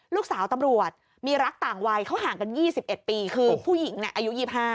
ลูกสาวตำรวจมีรักต่างวัยเขาห่างกัน๒๑ปีคือผู้หญิงอายุ๒๕